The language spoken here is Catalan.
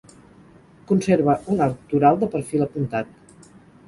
Conserva un arc toral de perfil apuntat.